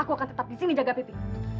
aku akan tetap disini jaga pipi